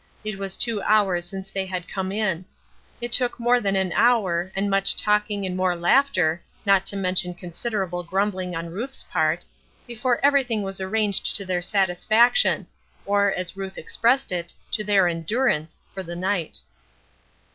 It was two hours since they had come in. It took more than an hour, and much talking and more laughter, not to mention considerable grumbling on Ruth's part, before everything was arranged to their satisfaction or, as Ruth expressed it, "to their endurance" for the night.